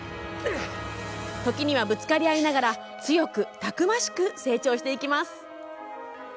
時にはぶつかり合いながら強く、たくましく成長していきます。